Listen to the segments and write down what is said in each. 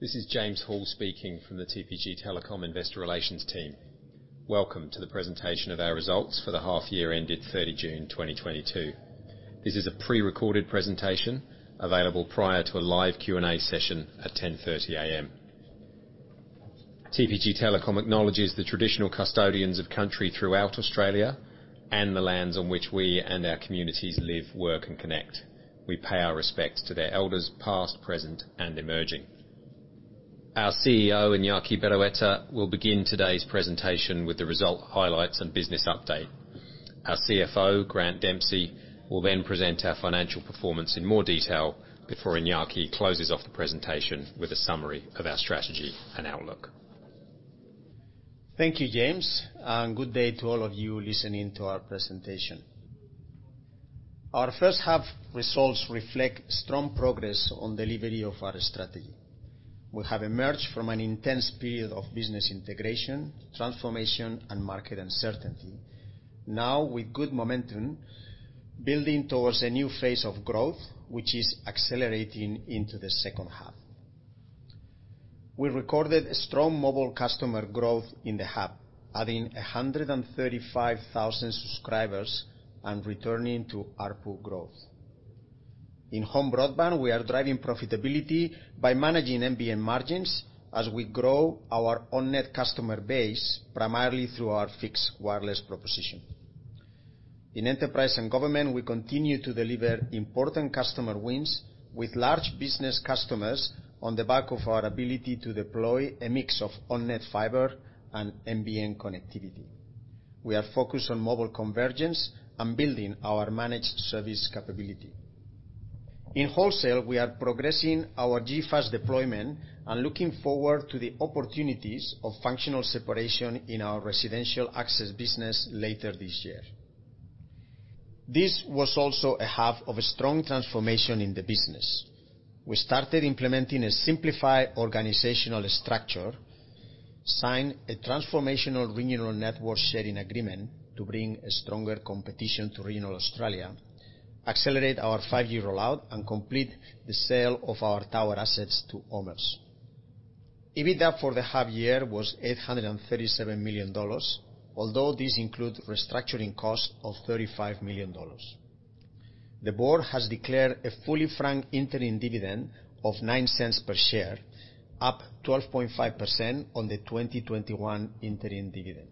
This is James Hall speaking from the TPG Telecom Investor Relations team. Welcome to the presentation of our results for the half year ended 30 June 2022. This is a pre-recorded presentation available prior to a live Q&A session at 10:30 A.M. TPG Telecom acknowledges the traditional custodians of country throughout Australia and the lands on which we and our communities live, work, and connect. We pay our respects to their elders past, present, and emerging. Our CEO, Iñaki Berroeta, will begin today's presentation with the result, highlights, and business update. Our CFO, Grant Dempsey, will then present our financial performance in more detail before Iñaki closes off the presentation with a summary of our strategy and outlook. Thank you, James, and good day to all of you listening to our presentation. Our first half results reflect strong progress on delivery of our strategy. We have emerged from an intense period of business integration, transformation, and market uncertainty. Now with good momentum, building towards a new phase of growth, which is accelerating into the second half. We recorded a strong mobile customer growth in the half, adding 135,000 subscribers and returning to ARPU growth. In home broadband, we are driving profitability by managing NBN margins as we grow our own net customer base, primarily through our fixed wireless proposition. In enterprise and government, we continue to deliver important customer wins with large business customers on the back of our ability to deploy a mix of on-net fiber and NBN connectivity. We are focused on mobile convergence and building our managed service capability. In wholesale, we are progressing our G.fast deployment and looking forward to the opportunities of functional separation in our residential access business later this year. This was also a half of a strong transformation in the business. We started implementing a simplified organizational structure, signed a transformational regional network sharing agreement to bring a stronger competition to regional Australia, accelerate our five-year rollout and complete the sale of our tower assets to OMERS. EBITDA for the half year was 837 million dollars, although this includes restructuring costs of 35 million dollars. The board has declared a fully franked interim dividend of 0.09 per share, up 12.5% on the 2021 interim dividend.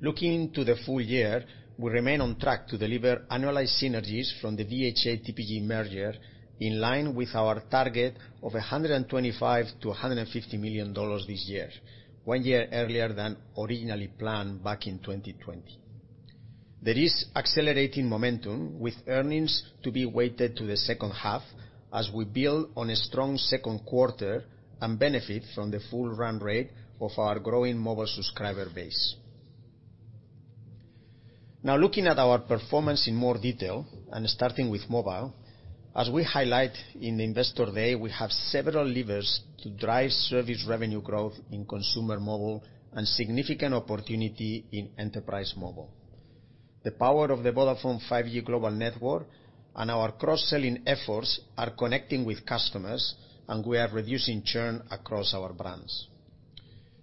Looking to the full year, we remain on track to deliver annualized synergies from the VHA TPG merger, in line with our target of 125 million-150 million dollars this year, one year earlier than originally planned back in 2020. There is accelerating momentum with earnings to be weighted to the second half as we build on a strong second quarter and benefit from the full run rate of our growing mobile subscriber base. Now, looking at our performance in more detail and starting with mobile, as we highlight in the Investor Day, we have several levers to drive service revenue growth in consumer mobile and significant opportunity in enterprise mobile. The power of the Vodafone 5G global network and our cross-selling efforts are connecting with customers, and we are reducing churn across our brands.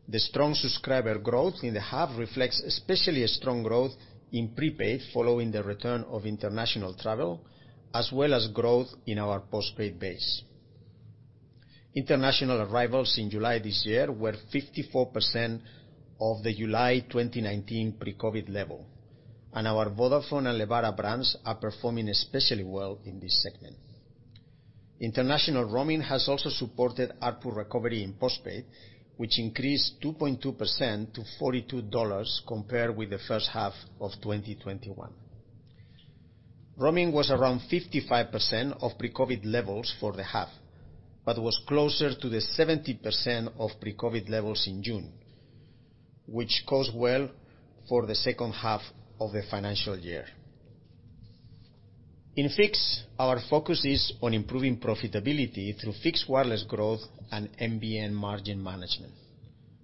The strong subscriber growth in the hub reflects especially a strong growth in prepaid following the return of international travel, as well as growth in our postpaid base. International arrivals in July this year were 54% of the July 2019 pre-COVID level, and our Vodafone and Lebara brands are performing especially well in this segment. International roaming has also supported ARPU recovery in postpaid, which increased 2.2% to 42 dollars compared with the first half of 2021. Roaming was around 55% of pre-COVID levels for the half, but was closer to the 70% of pre-COVID levels in June, which goes well for the second half of the financial year. In fixed, our focus is on improving profitability through Fixed Wireless growth and NBN margin management.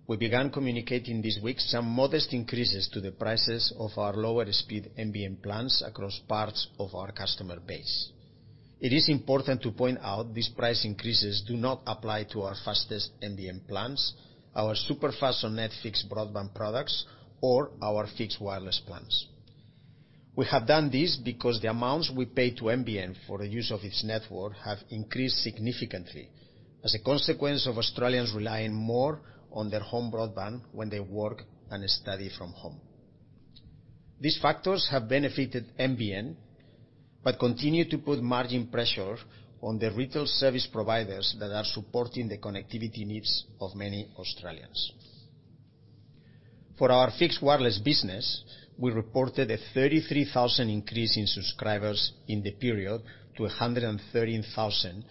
We began communicating this week some modest increases to the prices of our lower speed NBN plans across parts of our customer base. It is important to point out these price increases do not apply to our fastest NBN plans, our super fast on NBN fixed broadband products, or our Fixed Wireless plans. We have done this because the amounts we pay to NBN for the use of its network have increased significantly as a consequence of Australians relying more on their home broadband when they work and study from home. These factors have benefited NBN but continue to put margin pressure on the retail service providers that are supporting the connectivity needs of many Australians. For our Fixed Wireless business, we reported a 33,000 increase in subscribers in the period to 113,000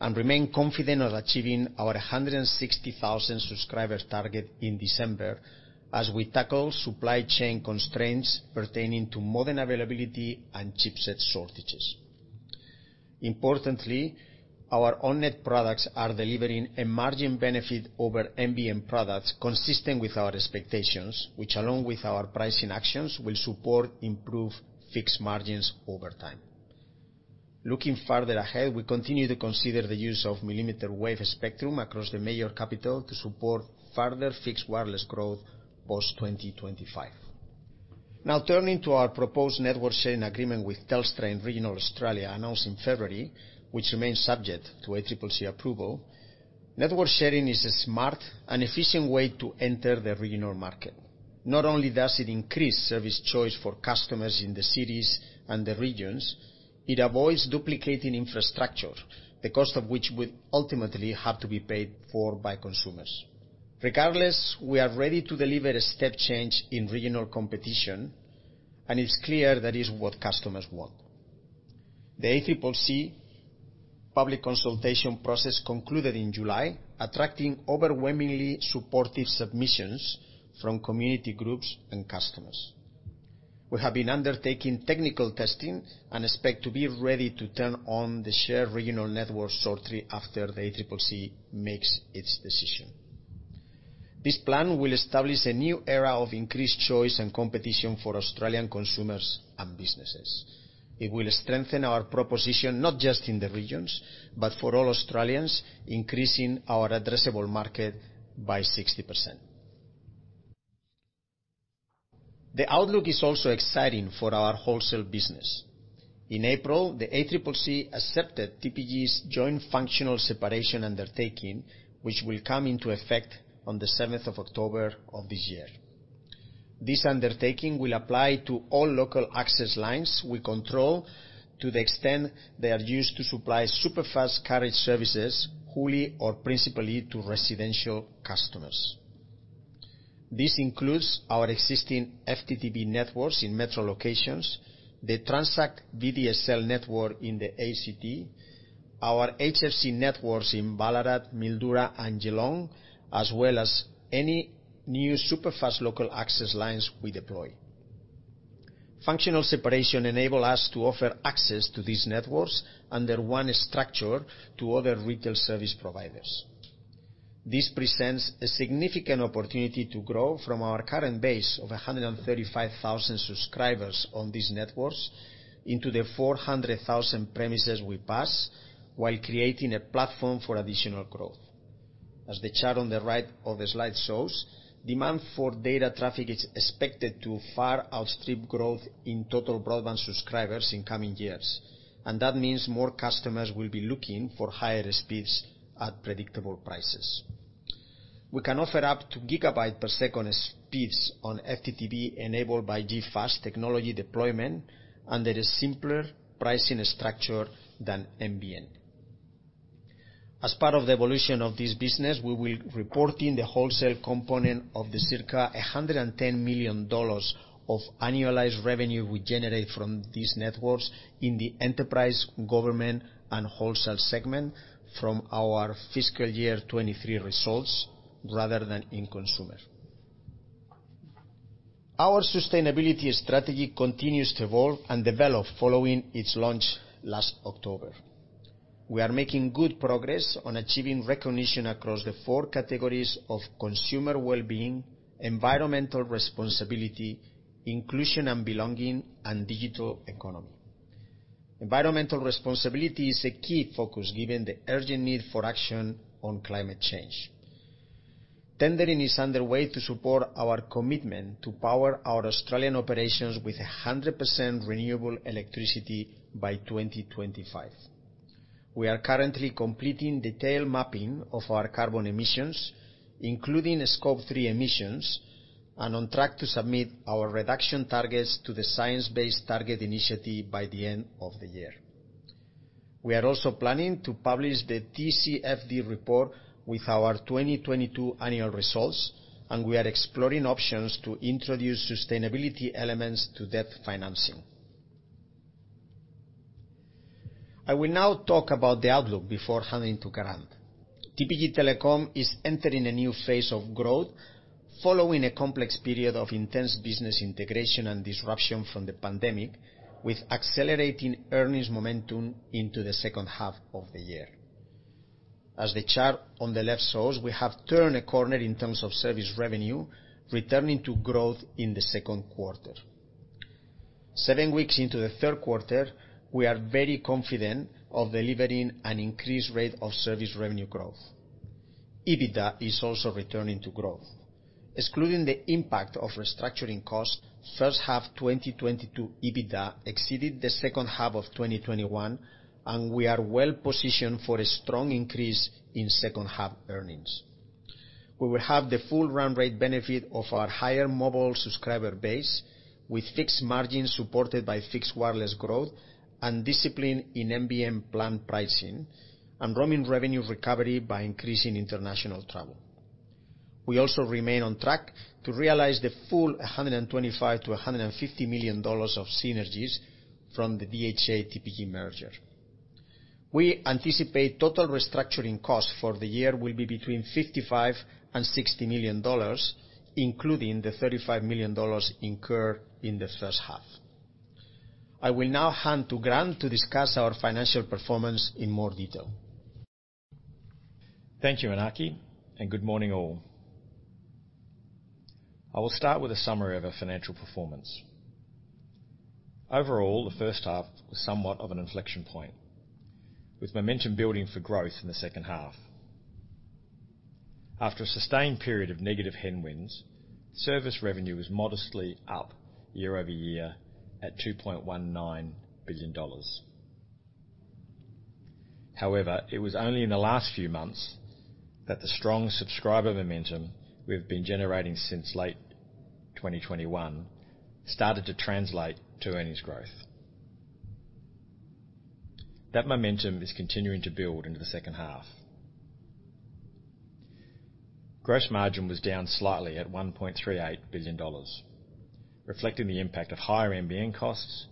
and remain confident of achieving our 160,000 subscribers target in December as we tackle supply chain constraints pertaining to modem availability and chipset shortages. Importantly, our own network products are delivering a margin benefit over NBN products consistent with our expectations, which along with our pricing actions, will support improved fixed margins over time. Looking further ahead, we continue to consider the use of millimeter wave spectrum across the major capitals to support further Fixed Wireless growth post-2025. Now turning to our proposed network sharing agreement with Telstra in regional Australia announced in February, which remains subject to ACCC approval. Network sharing is a smart and efficient way to enter the regional market. Not only does it increase service choice for customers in the cities and the regions, it avoids duplicating infrastructure, the cost of which would ultimately have to be paid for by consumers. Regardless, we are ready to deliver a step change in regional competition, and it's clear that is what customers want. The ACCC public consultation process concluded in July, attracting overwhelmingly supportive submissions from community groups and customers. We have been undertaking technical testing and expect to be ready to turn on the shared regional network shortly after the ACCC makes its decision. This plan will establish a new era of increased choice and competition for Australian consumers and businesses. It will strengthen our proposition, not just in the regions, but for all Australians, increasing our addressable market by 60%. The outlook is also exciting for our wholesale business. In April, the ACCC accepted TPG's joint functional separation undertaking, which will come into effect on the seventh of October of this year. This undertaking will apply to all local access lines we control to the extent they are used to supply superfast carriage services wholly or principally to residential customers. This includes our existing FTTB networks in metro locations, the TransACT VDSL network in the ACT, our HFC networks in Ballarat, Mildura and Geelong, as well as any new superfast local access lines we deploy. Functional separation enables us to offer access to these networks under one structure to other retail service providers. This presents a significant opportunity to grow from our current base of 135,000 subscribers on these networks into the 400,000 premises we pass while creating a platform for additional growth. As the chart on the right of the slide shows, demand for data traffic is expected to far outstrip growth in total broadband subscribers in coming years, and that means more customers will be looking for higher speeds at predictable prices. We can offer up to gigabit per second speeds on FTTB enabled by G.fast technology deployment under a simpler pricing structure than NBN. As part of the evolution of this business, we will be reporting the wholesale component of the circa 110 million dollars of annualized revenue we generate from these networks in the enterprise, government, and wholesale segment from our fiscal year 2023 results rather than in consumer. Our sustainability strategy continues to evolve and develop following its launch last October. We are making good progress on achieving recognition across the four categories of consumer well-being, environmental responsibility, inclusion and belonging, and digital economy. Environmental responsibility is a key focus given the urgent need for action on climate change. Tendering is underway to support our commitment to power our Australian operations with 100% renewable electricity by 2025. We are currently completing detailed mapping of our carbon emissions, including Scope 3 emissions, and on track to submit our reduction targets to the Science Based Targets initiative by the end of the year. We are also planning to publish the TCFD report with our 2022 annual results, and we are exploring options to introduce sustainability elements to debt financing. I will now talk about the outlook before handing to Grant. TPG Telecom is entering a new phase of growth following a complex period of intense business integration and disruption from the pandemic, with accelerating earnings momentum into the second half of the year. As the chart on the left shows, we have turned a corner in terms of service revenue, returning to growth in the second quarter. Seven weeks into the third quarter, we are very confident of delivering an increased rate of service revenue growth. EBITDA is also returning to growth. Excluding the impact of restructuring costs, first half 2022 EBITDA exceeded the second half of 2021, and we are well positioned for a strong increase in second half earnings. We will have the full run rate benefit of our higher mobile subscriber base, with fixed margins supported by Fixed Wireless growth and discipline in NBN plan pricing and roaming revenue recovery by increasing international travel. We also remain on track to realize the full 125 million-150 million dollars of synergies from the VHA TPG merger. We anticipate total restructuring costs for the year will be between 55 million and 60 million dollars, including the 35 million dollars incurred in the first half. I will now hand to Grant to discuss our financial performance in more detail. Thank you, Iñaki, and good morning all. I will start with a summary of our financial performance. Overall, the first half was somewhat of an inflection point, with momentum building for growth in the second half. After a sustained period of negative headwinds, service revenue was modestly up year-over-year at AUD 2.19 billion. However, it was only in the last few months that the strong subscriber momentum we've been generating since late 2021 started to translate to earnings growth. That momentum is continuing to build into the second half. Gross margin was down slightly at AUD 1.38 billion, reflecting the impact of higher NBN costs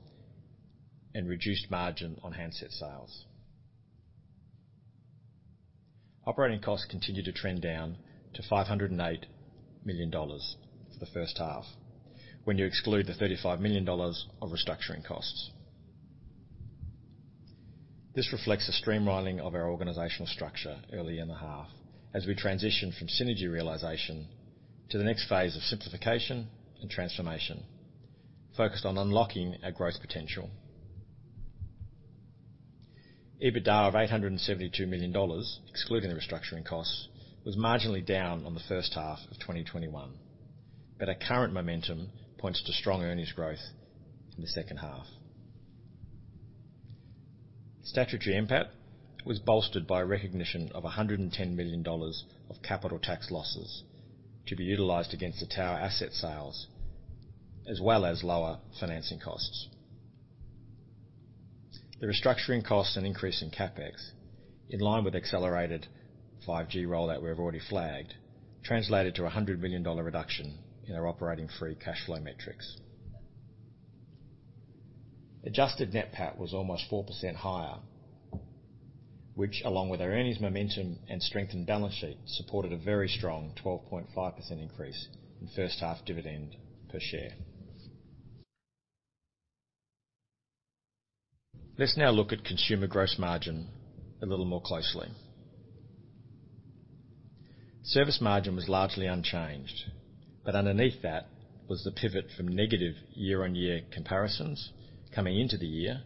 and reduced margin on handset sales. Operating costs continued to trend down to 508 million dollars for the first half when you exclude the 35 million dollars of restructuring costs. This reflects the streamlining of our organizational structure early in the half as we transition from synergy realization to the next phase of simplification and transformation focused on unlocking our growth potential. EBITDA of 872 million dollars, excluding the restructuring costs, was marginally down on the first half of 2021, but our current momentum points to strong earnings growth in the second half. Statutory NPAT was bolstered by recognition of 110 million dollars of capital tax losses to be utilized against the tower asset sales, as well as lower financing costs. The restructuring costs and increase in CapEx, in line with accelerated 5G rollout we have already flagged, translated to a 100 million dollar reduction in our operating free cash flow metrics. Adjusted net PAT was almost 4% higher, which along with our earnings momentum and strengthened balance sheet, supported a very strong 12.5% increase in first half dividend per share. Let's now look at consumer gross margin a little more closely. Service margin was largely unchanged, but underneath that was the pivot from negative year-on-year comparisons coming into the year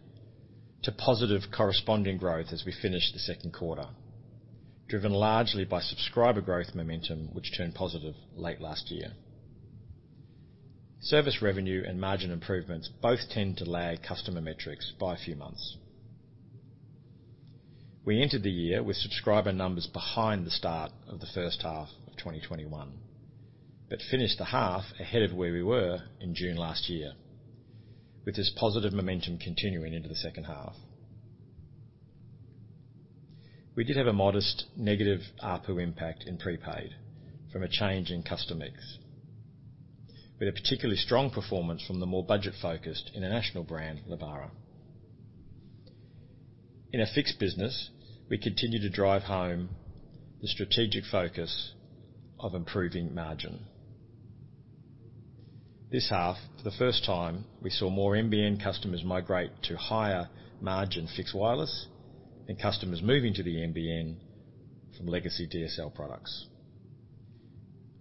to positive corresponding growth as we finish the second quarter, driven largely by subscriber growth momentum, which turned positive late last year. Service revenue and margin improvements both tend to lag customer metrics by a few months. We entered the year with subscriber numbers behind the start of the first half of 2021, but finished the half ahead of where we were in June last year. With this positive momentum continuing into the second half. We did have a modest negative ARPU impact in prepaid from a change in customer mix, with a particularly strong performance from the more budget-focused international brand, Lebara. In our fixed business, we continue to drive home the strategic focus of improving margin. This half, for the first time, we saw more NBN customers migrate to higher margin fixed wireless and costumers moving to the NBN from legacy DSL products.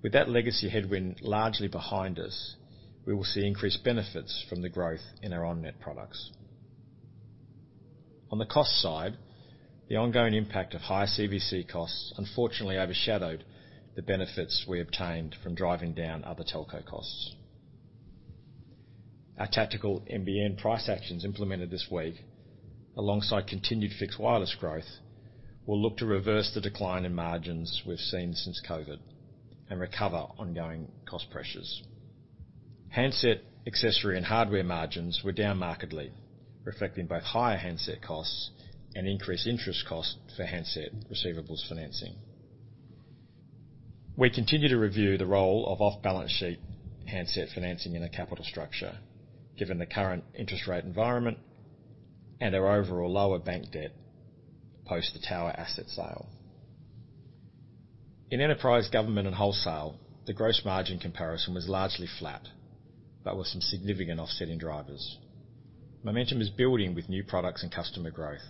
With that legacy headwind largely behind us, we will see increased benefits from the growth in our on-net products. On the cost side, the ongoing impact of higher CVC costs unfortunately overshadowed the benefits we obtained from driving down other telco costs. Our tactical NBN price actions implemented this week, alongside continued fixed wireless growth, will look to reverse the decline in margins we've seen since COVID and recover ongoing cost pressures. Handset, accessory, and hardware margins were down markedly, reflecting both higher handset costs and increased interest costs for handset receivables financing. We continue to review the role of off-balance sheet handsets financing in a capital structure, given the current interest rate environment and our overall lower bank debt post the tower asset sale. In enterprise government and wholesale, the gross margin comparison was largely flat, but with some significant offsetting drivers. Momentum is building with new products and customer growth,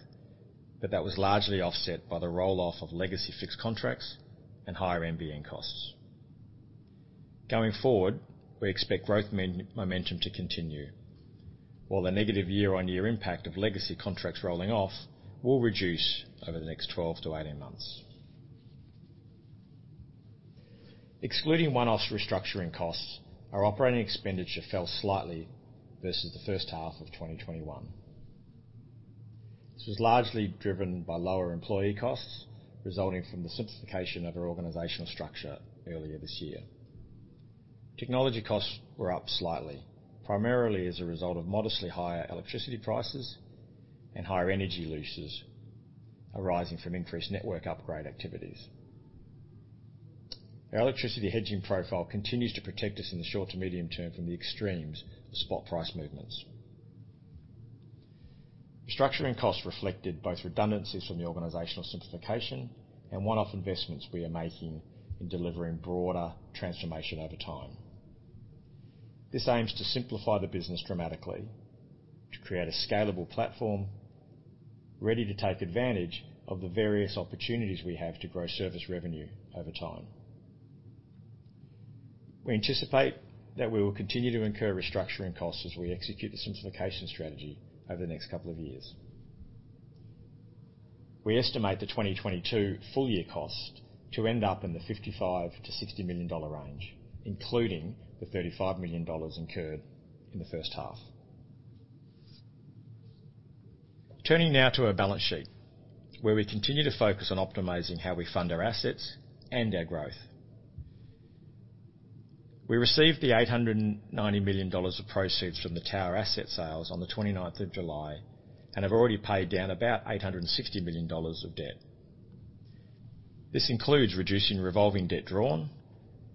but that was largely offset by the roll-off of legacy fixed contracts and higher NBN costs. Going forward, we expect growth momentum to continue, while the negative year-on-year impact of legacy contracts rolling off will reduce over the next 12-18 months. Excluding one-offs restructuring costs, our operating expenditure fell slightly versus the first half of 2021. This was largely driven by lower employee costs resulting from the simplification of our organizational structure earlier this year. Technology costs were up slightly, primarily as a result of modestly higher electricity prices and higher energy leases arising from increased network upgrade activities. Our electricity hedging profile continues to protect us in the short to medium term from the extremes of spot price movements. Restructuring costs reflected both redundancies from the organizational simplification and one-off investments we are making in delivering broader transformation over time. This aims to simplify the business dramatically, to create a scalable platform ready to take advantage of the various opportunities we have to grow service revenue over time. We anticipate that we will continue to incur restructuring costs as we execute the simplification strategy over the next couple of years. We estimate the 2022 full year cost to end up in the 55 million-60 million dollar range, including the 35 million dollars incurred in the first half. Turning now to our balance sheet, where we continue to focus on optimizing how we fund our assets and our growth. We received the 890 million dollars of proceeds from the tower asset sales on the twenty-ninth of July and have already paid down about 860 million dollars of debt. This includes reducing revolving debt drawn,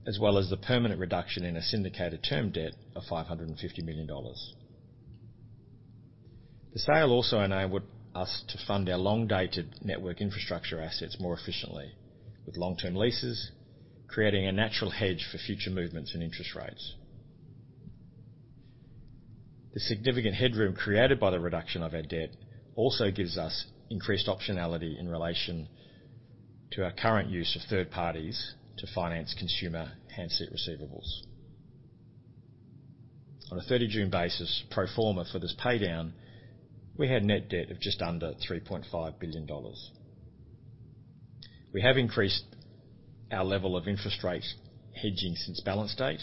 as well as the permanent reduction in a syndicated term debt of 550 million dollars. The sale also enabled us to fund our long-dated network infrastructure assets more efficiently, with long-term leases creating a natural hedge for future movements in interest rates. The significant headroom created by the reduction of our debt also gives us increased optionality in relation to our current use of third parties to finance consumer handset receivables. On a 30 June basis pro forma for this paydown, we had net debt of just under 3.5 billion dollars. We have increased our level of interest rates hedging since balance date,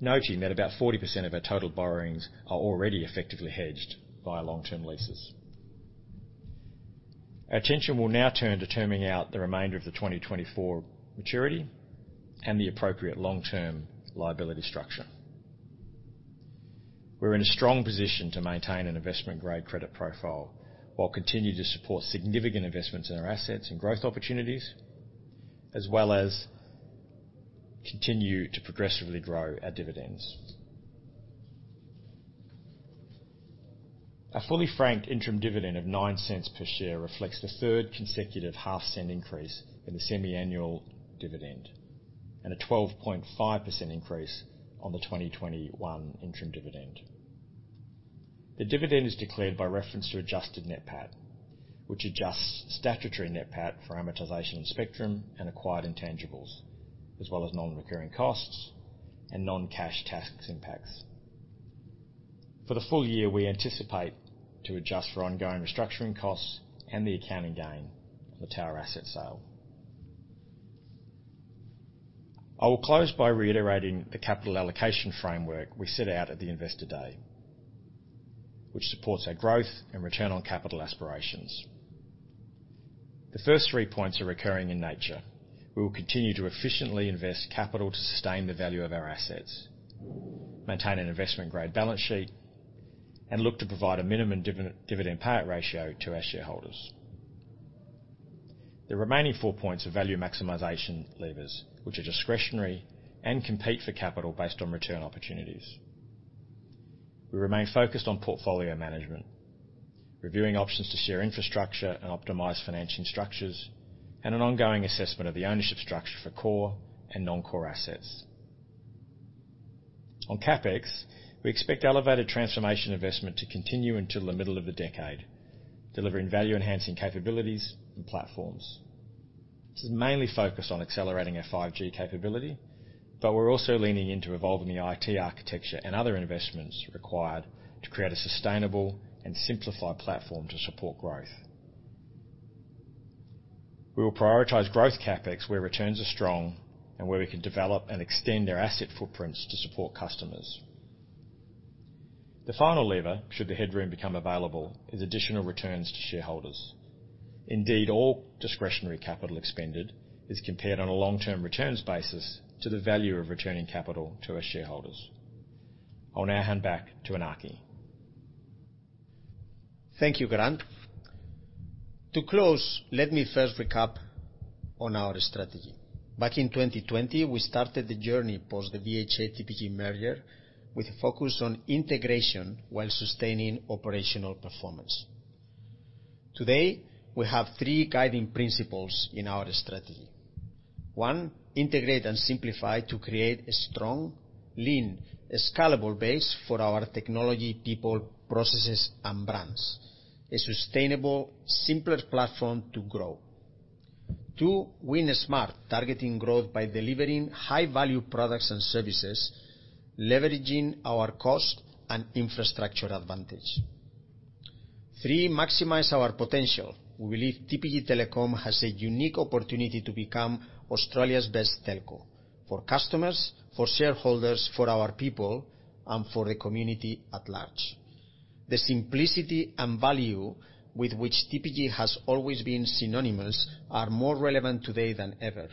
noting that about 40% of our total borrowings are already effectively hedged by our long-term leases. Our attention will now turn to terming out the remainder of the 2024 maturity and the appropriate long-term liability structure. We're in a strong position to maintain an investment-grade credit profile while continuing to support significant investments in our assets and growth opportunities, as well as continue to progressively grow our dividends. A fully franked interim dividend of 0.09 per share reflects the third consecutive half cent increase in the semiannual dividend, and a 12.5% increase on the 2021 interim dividend. The dividend is declared by reference to adjusted net PAT, which adjusts statutory net PAT for amortization of spectrum and acquired intangibles, as well as non-recurring costs and non-cash tax impacts. For the full year, we anticipate to adjust for ongoing restructuring costs and the accounting gain on the tower asset sale. I will close by reiterating the capital allocation framework we set out at the Investor Day, which supports our growth and return on capital aspirations. The first three points are recurring in nature. We will continue to efficiently invest capital to sustain the value of our assets, maintain an investment-grade balance sheet, and look to provide a minimum dividend payout ratio to our shareholders. The remaining four points are value maximization levers, which are discretionary and compete for capital based on return opportunities. We remain focused on portfolio management, reviewing options to share infrastructure and optimize financing structures, and an ongoing assessment of the ownership structure for core and non-core assets. On CapEx, we expect elevated transformation investment to continue until the middle of the decade, delivering value-enhancing capabilities and platforms. This is mainly focused on accelerating our 5G capability, but we're also leaning into evolving the IT architecture and other investments required to create a sustainable and simplified platform to support growth. We will prioritize growth CapEx where returns are strong and where we can develop and extend our asset footprints to support customers. The final lever, should the headroom become available, is additional returns to shareholders. Indeed, all discretionary capital expended is compared on a long-term returns basis to the value of returning capital to our shareholders. I'll now hand back to Iñaki. Thank you, Grant. To close, let me first recap on our strategy. Back in 2020, we started the journey post the VHA TPG merger with a focus on integration while sustaining operational performance. Today, we have three guiding principles in our strategy. One, integrate and simplify to create a strong, lean, scalable base for our technology, people, processes and brands. A sustainable, simpler platform to grow. Two, win smart. Targeting growth by delivering high-value products and services, leveraging our cost and infrastructure advantage. Three, maximize our potential. We believe TPG Telecom has a unique opportunity to become Australia's best telco for customers, for shareholders, for our people, and for the community at large. The simplicity and value with which TPG has always been synonymous are more relevant today than ever,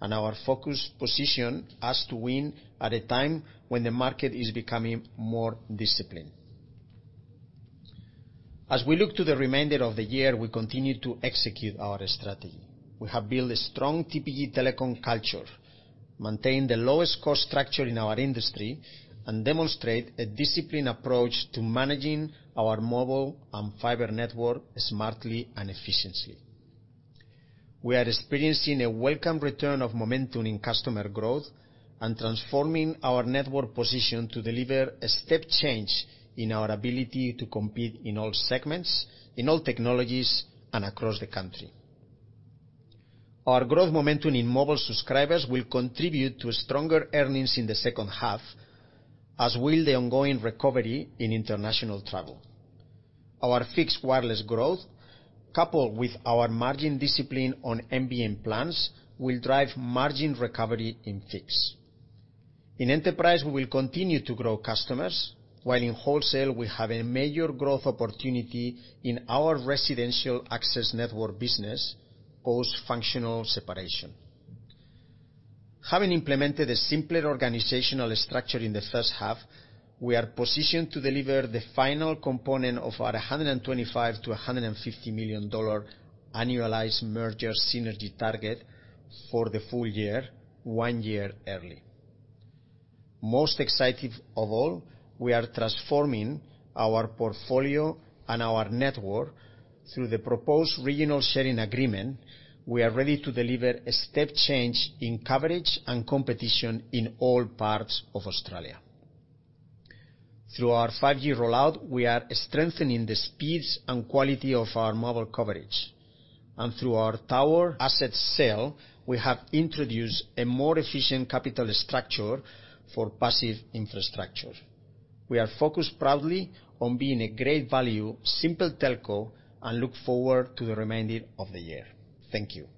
and our focus positions us to win at a time when the market is becoming more disciplined. As we look to the remainder of the year, we continue to execute our strategy. We have built a strong TPG Telecom culture, maintained the lowest cost structure in our industry, and demonstrate a disciplined approach to managing our mobile and fiber network smartly and efficiently. We are experiencing a welcome return of momentum in customer growth and transforming our network position to deliver a step change in our ability to compete in all segments, in all technologies, and across the country. Our growth momentum in mobile subscribers will contribute to stronger earnings in the second half, as will the ongoing recovery in international travel. Our Fixed Wireless growth, coupled with our margin discipline on NBN plans, will drive margin recovery in fixed. In Enterprise, we will continue to grow customers while in Wholesale, we have a major growth opportunity in our residential access network business post functional separation. Having implemented a simpler organizational structure in the first half, we are positioned to deliver the final component of our 125 million-150 million dollar annualized merger synergy target for the full year, one year early. Most exciting of all, we are transforming our portfolio and our network. Through the proposed regional sharing agreement, we are ready to deliver a step change in coverage and competition in all parts of Australia. Through our 5G rollout, we are strengthening the speeds and quality of our mobile coverage. Through our tower asset sale, we have introduced a more efficient capital structure for passive infrastructure. We are focused proudly on being a great value, simple telco, and look forward to the remainder of the year. Thank you.